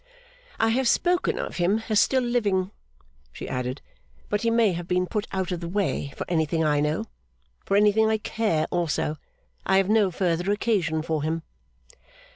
'I have spoken of him as still living,' she added, 'but he may have been put out of the way for anything I know. For anything I care, also. I have no further occasion for him.